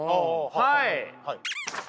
はい。